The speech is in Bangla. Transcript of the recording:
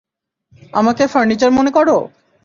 আমাকে ফার্নিচার মনে করো?